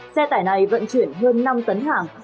xe tải này vận chuyển hơn năm tấn hàng